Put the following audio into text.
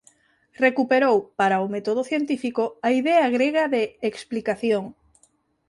Recuperou para o método científico a idea grega de "explicación".